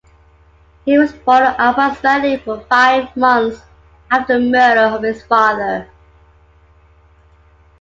He was born approximately five months after the murder of his father.